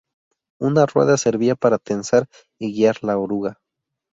Una rueda servía para tensar y guiar la oruga.